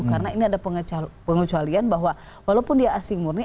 karena ini ada pengecualian bahwa walaupun dia asing murni